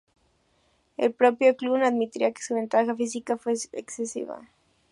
El propio Eklund admitiría que su ventaja física fue excesiva.